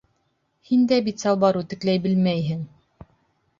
Һин дә бит салбар үтекләй белмәйһең!